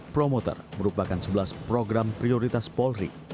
promotor merupakan sebelas program prioritas polri